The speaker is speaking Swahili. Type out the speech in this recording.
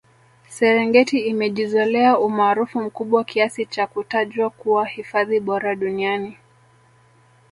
serengeti imejizolea umaarufu mkubwa kiasi cha kutajwa kuwa hifadhi bora duniani